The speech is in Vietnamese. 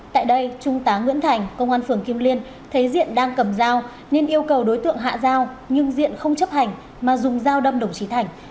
tại đây trung tá nguyễn thành công an phường kim liên thấy diện đang cầm dao nên yêu cầu đối tượng hạ dao nhưng diện không chấp hành mà dùng dao đâm đồng chí thành